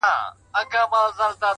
زړورتیا د حرکت نوم دی